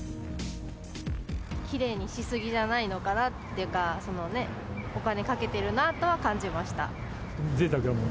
きれいにし過ぎじゃないのかなっていうか、お金かけてるなとぜいたくや思う。